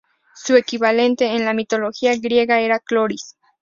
Su equivalente en la mitología griega era 'Cloris'.